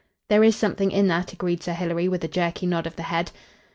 "There is something in that," agreed Sir Hilary, with a jerky nod of the head.